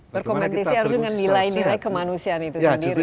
berkompetisi harus dengan nilai nilai kemanusiaan itu sendiri